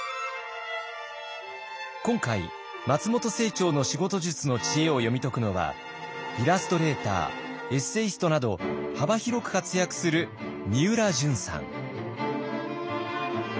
今回松本清張の仕事術の知恵を読み解くのはイラストレーターエッセイストなど幅広く活躍するみうらじゅんさん。